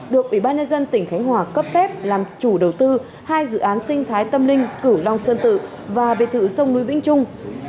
được ủy ban nhân dân tỉnh khánh hòa cấp phép làm chủ đầu tư hai dự án sinh thái tâm linh cửu long sơn tự và biệt thự sông núi vĩnh trung